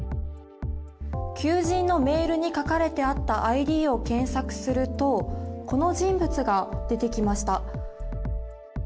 求人のメールに書かれてあったＩＤを検索するとこの人物が出てきました。